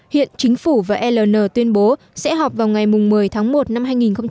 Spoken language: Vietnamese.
hiện chính phủ và aln tuyên bố sẽ họp vào ngày một mươi tháng một năm hai nghìn một mươi bảy